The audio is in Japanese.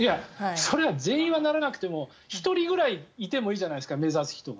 それは全員はならなくても１人くらいいてもいいじゃないですか目指す人が。